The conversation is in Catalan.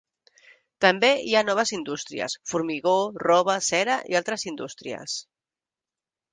També hi ha noves indústries: formigó, roba, cera i altres indústries.